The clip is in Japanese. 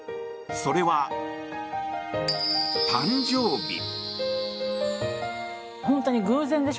それは、誕生日。